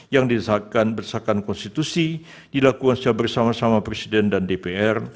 yang didesakan desakan konstitusi dilakukan secara bersama sama presiden dan dpr